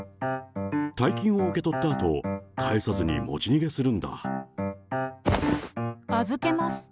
大金を受け取ったあと、預けます。